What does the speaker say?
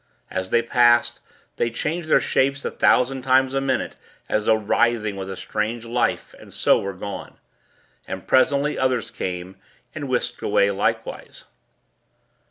As they passed, they changed their shapes a thousand times a minute, as though writhing with a strange life; and so were gone. And, presently, others came, and whisked away likewise.